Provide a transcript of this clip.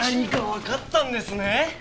何かわかったんですね？